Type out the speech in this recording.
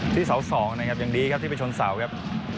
ที่เสา๒นะครับยังดีครับที่ไปชนเสาครับ